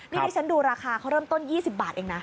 นี่ที่ฉันดูราคาเขาเริ่มต้น๒๐บาทเองนะ